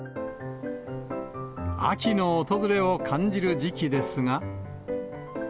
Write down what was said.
秋の訪れを感じる時期ですが。